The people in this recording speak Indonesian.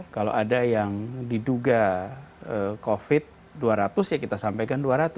kalau ada yang diduga covid dua ratus ya kita sampaikan dua ratus